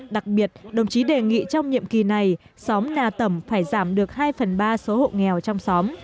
đặc biệt đồng chí đề nghị trong nhiệm kỳ này xóm nà tẩm phải giảm được hai phần ba số hộ nghèo trong xóm